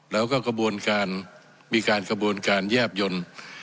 แล้วก็กระบวนการมีการกระบวนการแยบยนต์